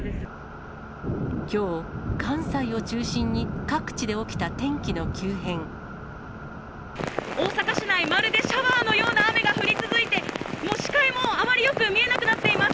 きょう、関西を中心に各地で大阪市内、まるでシャワーのような雨が降り続いて、もう視界もあまりよく見えなくなっています。